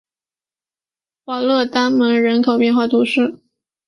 瓦勒丹门人口变化图示